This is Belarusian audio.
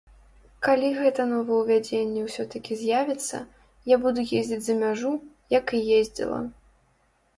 Калі гэта новаўвядзенне ўсё-такі з'явіцца, я буду ездзіць за мяжу, як і ездзіла.